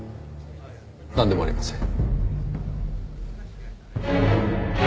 なんでもありません。